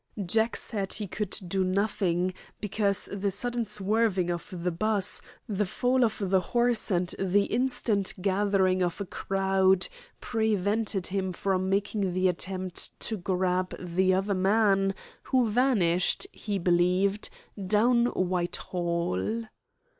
Jack said he could do nothing, because the sudden swerving of the 'bus, the fall of the horse, and the instant gathering of a crowd, prevented him from making the attempt to grab the other man, who vanished, he believed, down Whitehall.